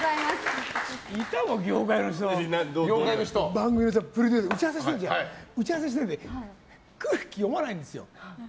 番組のプロデューサー打ち合わせしてる時空気読まないんですよ。